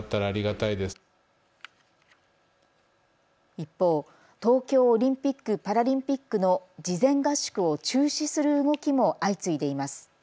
一方、東京オリンピック・パラリンピックの事前合宿を中止する動きも相次いでいます。